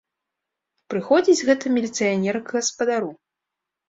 Прыходзіць гэта міліцыянер к гаспадару.